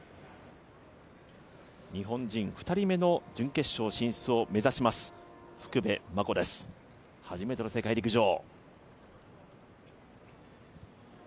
日本人２人目の準決勝進出を目指します福部真子です、初めての世界陸上。